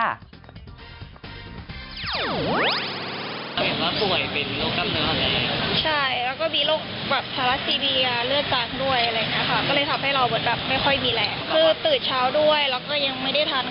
ถ้าเห็นว่าสวยเป็นโรคกล้ามเนื้อแหละ